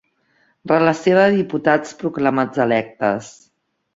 Relació de diputats proclamats electes.